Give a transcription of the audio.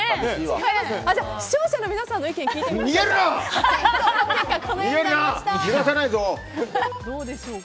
じゃあ視聴者の皆さんの意見聞いてみましょう。